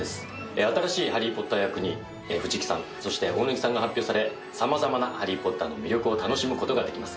新しいハリー・ポッター役に藤木さん、そして大貫さんが発表され、さまざまな「ハリー・ポッター」の魅力を楽しむことができます。